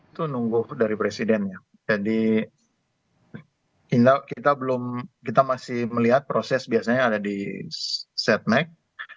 itu nunggu dari presidennya jadi kita masih melihat proses biasanya ada di setnek